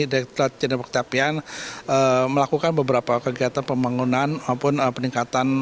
dan juga peningkatan lrt sumatera selatan